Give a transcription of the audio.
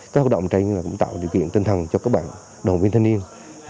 các hoạt động trên cũng tạo điều kiện tinh thần cho các bạn đoàn viên thanh niên